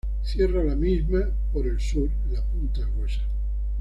Cierra la misma, por el sur, la punta Gruesa.